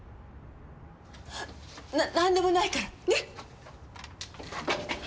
ななんでもないから！ね？